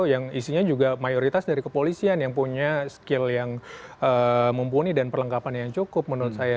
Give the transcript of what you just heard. yang isinya juga mayoritas dari kepolisian yang punya skill yang mumpuni dan perlengkapan yang cukup menurut saya